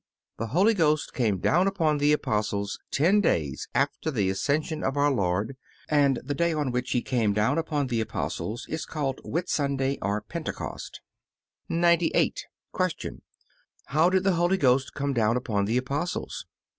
The Holy Ghost came down upon the Apostles ten days after the Ascension of our Lord; and the day on which He came down upon the Apostles is called Whitsunday, or Pentecost. 98. Q. How did the Holy Ghost come down upon the Apostles?